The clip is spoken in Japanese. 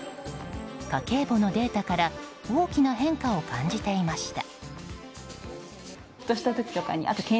家計簿のデータから大きな変化を感じていました。